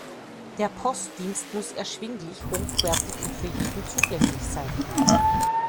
Der Postdienst muss erschwinglich, hochwertig und für jeden zugänglich sein.